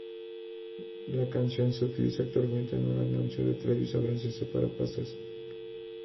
La canción se utiliza actualmente en un anuncio de televisión francesa para pastas.